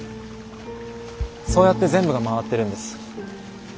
そうやって全部が回ってるんです。